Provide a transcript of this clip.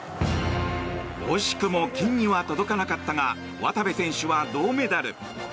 惜しくも金には届かなかったが渡部選手は銅メダル。